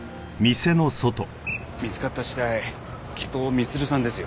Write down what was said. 見つかった死体きっと満さんですよ。